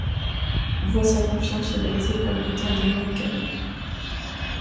Vois sa confiance brisée comme autant de mugs guerriers.